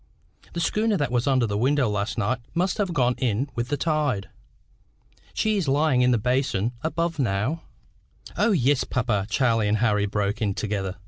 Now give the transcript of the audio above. The schooner that was under this window last night must have gone in with the tide. She is lying in the basin above now." "O, yes, papa," Charlie and Harry broke in together.